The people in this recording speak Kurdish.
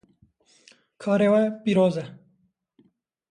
Karê we pîroz e.